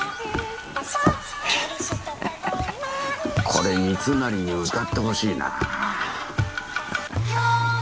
これ三成に歌ってほしいなあ。